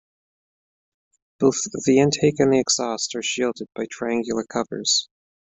Both the intake and the exhaust are shielded by triangular covers.